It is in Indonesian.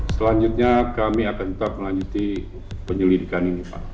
selanjutnya kami akan tetap melanjutkan penyelidikan ini pak